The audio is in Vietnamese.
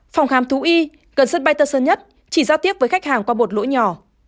phòng khám thú y gần sân bay tân sơn nhất chỉ giao tiếp với khách hàng qua một lỗi nhỏ